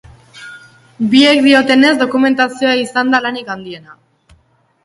Biek diotenez, dokumentazioa izan da lanik handiena.